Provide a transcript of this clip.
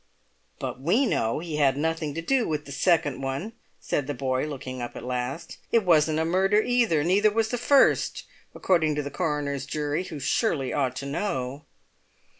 "But we know he had nothing to do with the second one," said the boy, looking up at last. "It wasn't a murder, either; neither was the first, according to the coroner's jury, who surely ought to know."